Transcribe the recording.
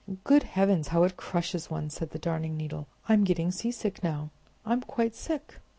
"Good heavens, how it crushes one!" said the Darning Needle. "I'm getting seasick now—I'm quite sick."